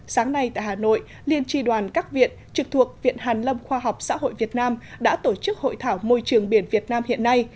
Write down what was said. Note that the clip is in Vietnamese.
sáng nay tại hà nội liên tri đoàn các viện trực thuộc viện hàn lâm khoa học xã hội việt nam đã tổ chức hội thảo môi trường biển việt nam hiện nay